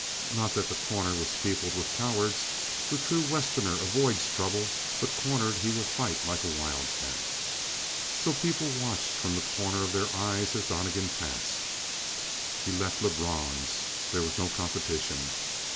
Not that The Corner was peopled with cowards. The true Westerner avoids trouble, but cornered, he will fight like a wildcat. So people watched from the corner of their eyes as Donnegan passed. He left Lebrun's. There was no competition.